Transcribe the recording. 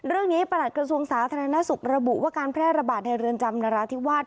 ประหลัดกระทรวงสาธารณสุขระบุว่าการแพร่ระบาดในเรือนจำนราธิวาส